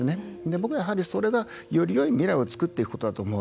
僕はやはり、それがよりよい未来を作っていくことだと思う。